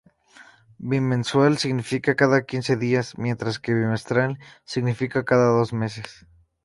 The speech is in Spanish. Bimensual significa "cada quince días", mientras que bimestral significa "cada dos meses".